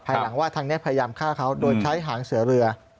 หลังว่าทางนี้พยายามฆ่าเขาโดยใช้หางเสือเรือ